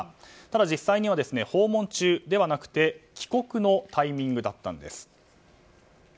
ただ実際には訪問中ではなく帰国のタイミングだったんです。